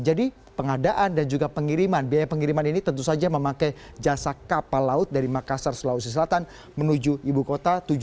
jadi pengadaan dan juga pengiriman biaya pengiriman ini tentu saja memakai jasa kapal laut dari makassar sulawesi selatan menuju ibu kota